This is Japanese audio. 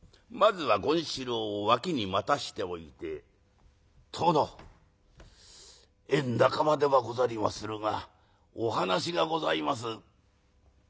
まずは権四郎を脇に待たしておいて「殿宴半ばではござりまするがお話がございます」。